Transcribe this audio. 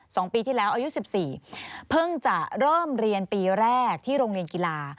สองปีที่แล้วอายุสิบสี่เพิ่งจะเริ่มเรียนปีแรกที่โรงเรียนกีฬา